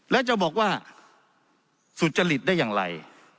แล้วจะบอกว่าสุจริตได้อย่างไร